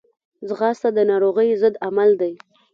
ځغاسته د ناروغیو ضد عمل دی